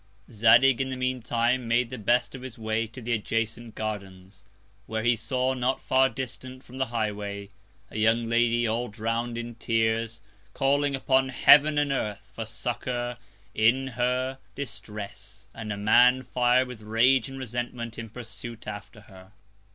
Zadig in the mean Time made the best of his Way to the adjacent Gardens; where he saw, not far distant from the High way, a young Lady, all drown'd in Tears, calling upon Heaven and Earth for Succour in her Distress, and a Man, fir'd with Rage and Resentment, in pursuit after her.